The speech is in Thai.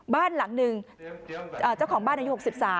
บ้านหลังหนึ่งเจ้าของบ้านอายุ๖๓